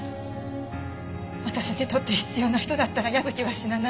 私にとって必要な人だったら矢吹は死なない。